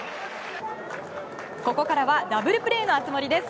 ここからはダブルプレーの熱盛です。